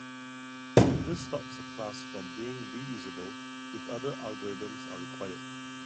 This stops the class from being reusable if other algorithms are required.